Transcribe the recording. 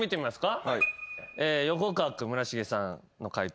横川君村重さんの解答